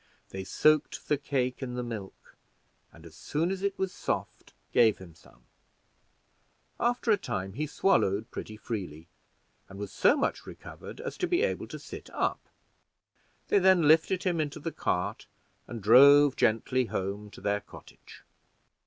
They soaked the cake in the milk, and as soon as it was soft gave him some; after a time, he swallowed pretty freely, and was so much recovered as to be able to sit up. They then lifted him into the cart, and drove gently home to their cottage.